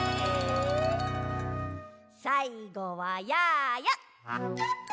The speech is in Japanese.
さいごはやーや。